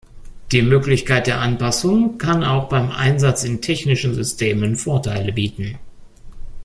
Die Möglichkeit der Anpassung kann auch beim Einsatz in technischen Systemen Vorteile bieten.